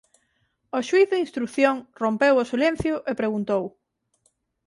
O xuíz de instrución rompeu o silencio e preguntou: